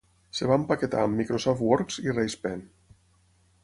Es va empaquetar amb Microsoft Works i RacePen